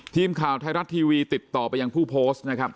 ทีมข่าวไทยรัฐทีวีติดต่อไปยังผู้โพสต์นะครับ